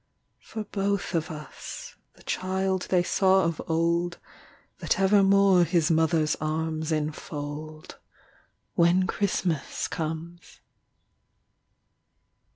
For both of us the child they saw of old, That evermore his mother's arms enfold, When Christmas comes.